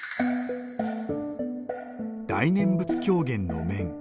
大念仏狂言の面。